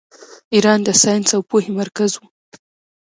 ایران د ساینس او پوهې مرکز و.